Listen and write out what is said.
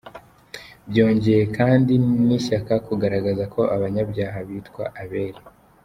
Byongeye kandi, ni ishaka kugaragaza ko abanyabyaha bitwa abere.